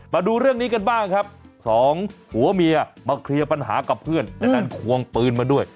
มาดูเรื่องนี้กันบ้างครับสองผัวเมียมาเคลียร์ปัญหากับเพื่อนจากนั้นควงปืนมาด้วย